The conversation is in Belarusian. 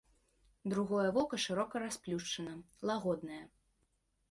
Другое вока шырока расплюшчана, лагоднае.